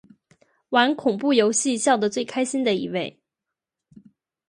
玩恐怖游戏笑得最开心的一位